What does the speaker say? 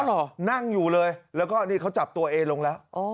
คือนั่งอยู่เลยนะตอนแรกอะนั่งอยู่เลยแล้วก็นี่เขาจับตัวเองลงแล้ว